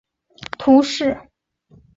隆普尼厄人口变化图示